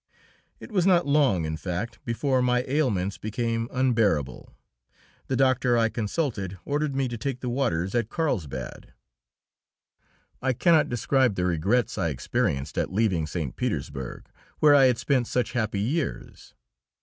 It was not long, in fact, before my ailments became unbearable; the doctor I consulted ordered me to take the waters at Carlsbad. I cannot describe the regrets I experienced at leaving St. Petersburg, where I had spent such happy years.